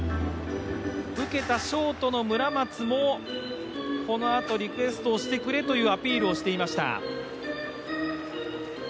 受けたショートの村松もこのあとリクエストをしてくれというアピールをしていました。